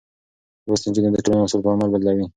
لوستې نجونې د ټولنې اصول په عمل بدلوي.